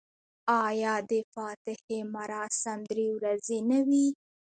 آیا د فاتحې مراسم درې ورځې نه وي؟